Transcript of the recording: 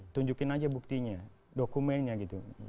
tunjukin aja buktinya dokumennya gitu